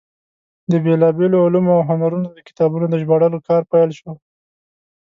د بېلابېلو علومو او هنرونو د کتابونو د ژباړلو کار پیل شو.